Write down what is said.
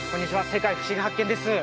「世界ふしぎ発見！」です